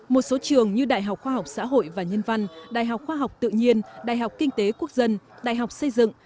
một số trường như đại học khoa học xã hội và nhân văn đại học khoa học tự nhiên đại học kinh tế quốc dân đại học xây dựng